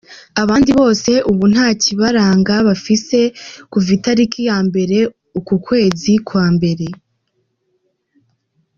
Abandi bose ubu nta kibaranga bafise kuva itariki ya mbere uku kwezi kwa mbere.